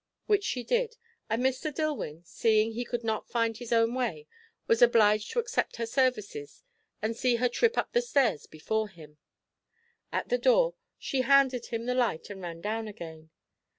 Which she did, and Mr. Dillwyn, seeing he could not find his own way, was obliged to accept her services and see her trip up the stairs before him. At the door she handed him the light and ran down again.